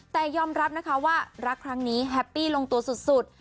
แต่ยอมรับนะคะว่ารักครั้งนี้แฮปปี้ลงตัวสุด